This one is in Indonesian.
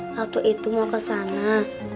waktu itu mau kesana